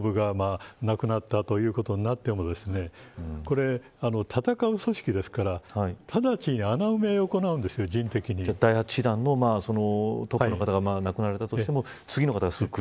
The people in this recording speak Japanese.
というのは第７師団の上層部が亡くなったということになってもこれは戦う組織ですから直ちに穴埋めを第８師団のトップの方が亡くなられたとしても次の方がすぐに来る。